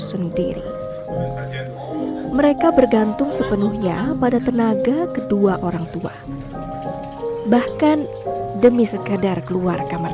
sendiri mereka bergantung sepenuhnya pada tenaga kedua orang tua bahkan demi sekadar keluar kamar